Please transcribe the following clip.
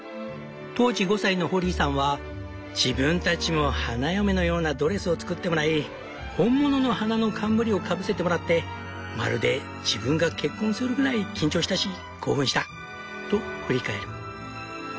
当時５歳のホリーさんは「自分たちも花嫁のようなドレスを作ってもらい本物の花の冠をかぶせてもらってまるで自分が結婚するぐらい緊張したし興奮した」と振り返る。